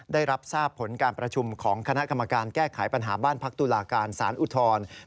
ได้รับทราบผลการประชุมของคณะกรรมการแก้ไขปัญหาบ้านพักตุลาการสารอุทธร